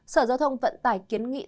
sở giao thông vận tải kiến nghị